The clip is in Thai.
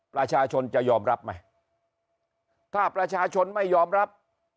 ประชาชนจะยอมรับไหมถ้าประชาชนไม่ยอมรับ